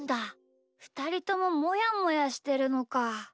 ふたりとももやもやしてるのか。